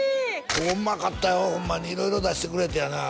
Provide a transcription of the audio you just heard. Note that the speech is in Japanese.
ここうまかったよホンマに色々出してくれてやな